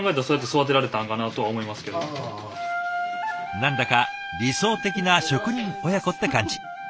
何だか理想的な職人親子って感じ。